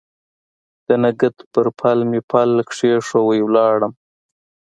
د نګهت پر پل مې پل کښېښوی ولاړم